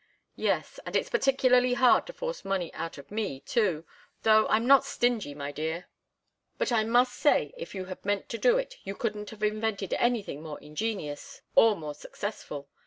"Yes. And it's particularly hard to force money out of me, too, though I'm not stingy, my dear. But I must say, if you had meant to do it, you couldn't have invented anything more ingenious, or more successful.